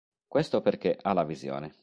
Questo perché ha la visione.